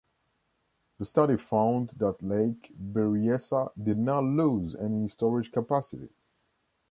The study found that Lake Berryessa did not lose any storage capacity.